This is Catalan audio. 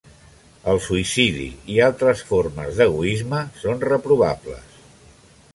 El suïcidi i altres formes d'egoisme són reprovables.